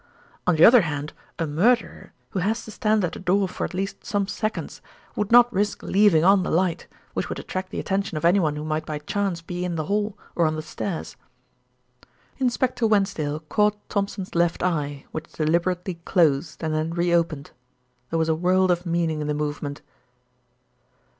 "On the other hand, a murderer, who has to stand at a door for at least some seconds, would not risk leaving on the light, which would attract the attention of anyone who might by chance be in the hall, or on the stairs." Inspector Wensdale caught Thompson's left eye, which deliberately closed and then re opened. There was a world of meaning in the movement.